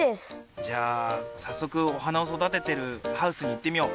じゃあさっそくお花を育ててるハウスにいってみよう。